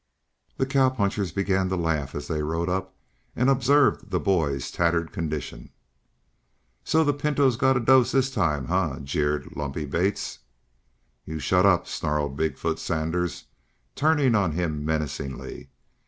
The cowpunchers began to laugh as they rode up and observed the boy's tattered condition. "So the Pinto got a dose this time, eh?" jeered Lumpy Bates. "You shut up!" snarled Big foot Sanders, turning on him menacingly.